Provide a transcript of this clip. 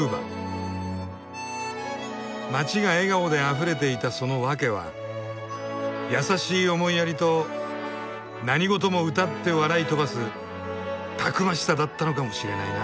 街が笑顔であふれていたそのわけは優しい思いやりと何事も歌って笑い飛ばすたくましさだったのかもしれないな。